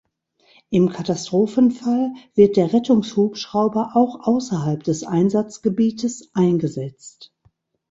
Im Katastrophenfall wird der Rettungshubschrauber auch außerhalb des Einsatzgebietes eingesetzt.